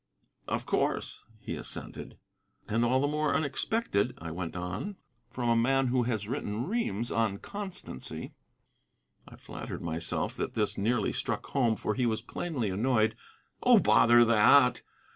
"Of course," he assented. "And all the more unexpected," I went on, "from a man who has written reams on constancy." I flatter myself that this nearly struck home, for he was plainly annoyed. "Oh, bother that!"